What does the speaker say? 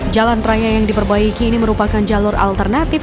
jalan raya yang diperbaiki ini merupakan jalur alternatif